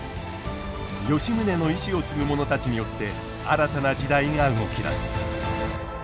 吉宗の遺志を継ぐ者たちによって新たな時代が動き出す。